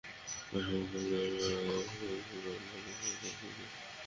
আর সমস্ত দোষ ভারত লালের উপর চাপিয়ে দেই।